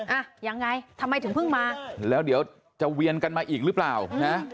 อ่ะยังไงทำไมถึงเพิ่งมาแล้วเดี๋ยวจะเวียนกันมาอีกหรือเปล่านะ